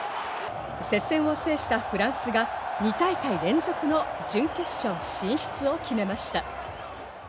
接戦を制したフランスが２大会連続の準決勝進出を決めました。